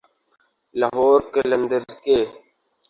لاہور قلندرز کے